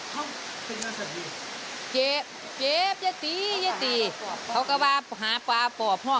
เขาเจ็บเจ๊บจะตีจะตีเขาก็บาหาปลาปลอบห้อง